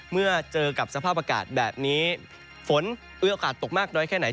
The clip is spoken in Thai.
เมื่อเจอกับสภาพอากาศแบบนี้ฝนมีโอกาสตกมากน้อยแค่ไหน